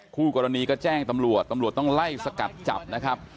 คู่กรณีก็แจ้งตำรวจตำรวจต้องไล่สกัดจับนะครับ